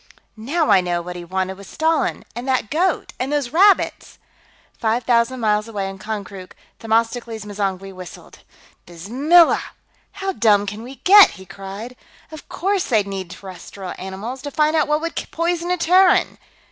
"Now I know what he wanted with Stalin, and that goat, and those rabbits!" Five thousand miles away, in Konkrook, Themistocles M'zangwe whistled. "Bismillah! How dumb can we get?" he cried. "Of course they'd need terrestrial animals, to find out what would poison a Terran!